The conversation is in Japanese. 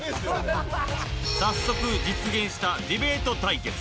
早速実現したディベート対決